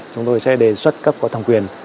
chúng tôi sẽ đề xuất các cơ thống quyền